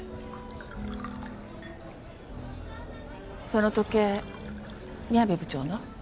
その時計宮部部長の？